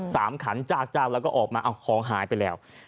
สามขันจากจาวแล้วก็ออกมาห้องหายไปแล้ว